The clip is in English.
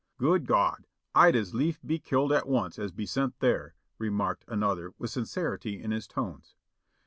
"Good God! I'd as lief be killed at once as be sent there," re marked another with sincerity in his tones.